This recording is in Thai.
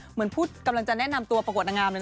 เหมือนพูดกำลังจะแนะนำตัวประกวดอนามนะครับ